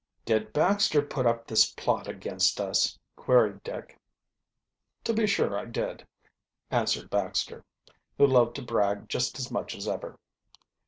"Did Baxter put up this plot against us? queried Dick. "To be sure I did," answered Baxter, who loved to brag just as much as ever.